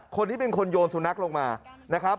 คนนี้เป็นคนโยนสุนัขลงมานะครับ